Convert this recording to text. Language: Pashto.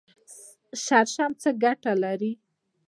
شړشم څه ګټه لري؟